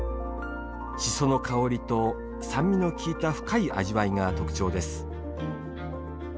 しその香りと酸味の利いた深い味わいが特徴です。